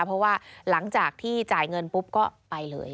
เพราะว่าหลังจากที่จ่ายเงินปุ๊บก็ไปเลย